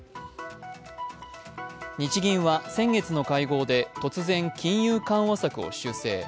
日銀は先月の会合で突然、金融緩和策を修正。